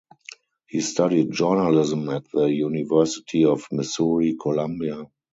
He studied journalism at the University of Missouri-Columbia.